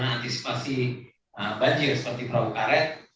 seperti antisipasi banjir seperti perahu karet